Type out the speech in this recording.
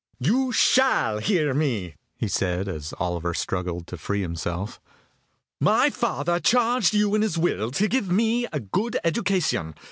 "You shall hear me," he said, as Oliver struggled to free himself. "My father charged you in his will to give me a good education.